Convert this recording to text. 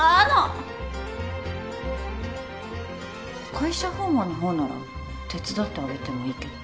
会社訪問の方なら手伝ってあげてもいいけど。